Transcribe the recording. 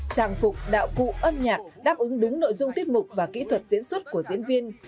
trang phục đạo cụ âm nhạc đáp ứng đúng nội dung tiết mục và kỹ thuật diễn xuất của diễn viên